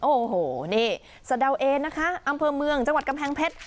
โอ้โหนี่สะดาวเอนะคะอำเภอเมืองจังหวัดกำแพงเพชร